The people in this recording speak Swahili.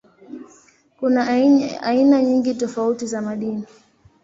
Kuna aina nyingi tofauti za madini.